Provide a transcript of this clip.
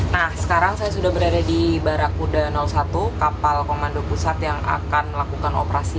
nah sekarang saya sudah berada di barakuda satu kapal komando pusat yang akan melakukan operasi